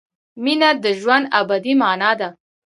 مینه د ژوند ابدي مانا ده.